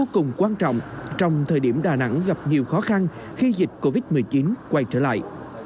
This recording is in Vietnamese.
cùng quan trọng trong thời điểm đà nẵng gặp nhiều khó khăn khi dịch covid một mươi chín quay trở lại